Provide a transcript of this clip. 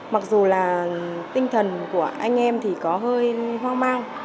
mặc dù là tinh thần của anh em thì có hơi hoang mang